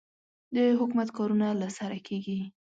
د حکومت کارونه له سره کېږي.